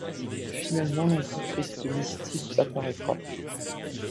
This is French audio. Finalement l'Antéchrist Mystique apparaîtra.